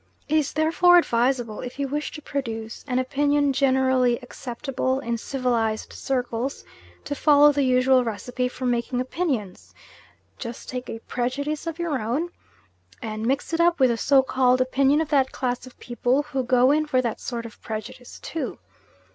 It is therefore advisable, if you wish to produce an opinion generally acceptable in civilised circles, to follow the usual recipe for making opinions just take a prejudice of your own, and fix it up with the so called opinion of that class of people who go in for that sort of prejudice too.